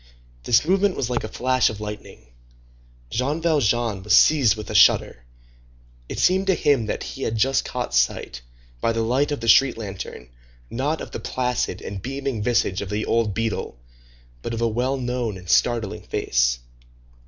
This movement was like a flash of lightning. Jean Valjean was seized with a shudder. It seemed to him that he had just caught sight, by the light of the street lantern, not of the placid and beaming visage of the old beadle, but of a well known and startling face.